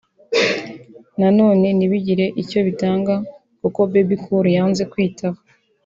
na none ntibigire icyo bitanga kuko Bebe Cool yanze kwitaba